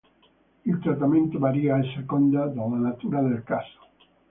Il trattamento varia a seconda della natura del caso.